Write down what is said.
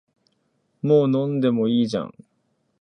もう飲んでもいいじゃん